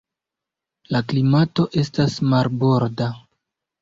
La klimato estas marborda.